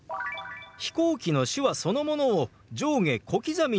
「飛行機」の手話そのものを上下小刻みに揺らして表現します。